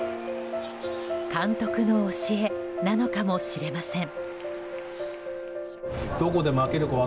監督の教えなのかもしれません。